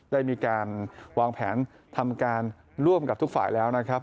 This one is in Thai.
ได้มีการวางแผนทำการร่วมกับทุกฝ่ายแล้วนะครับ